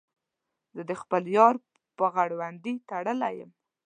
زه د خپل یار په غړوندي تړلی یم.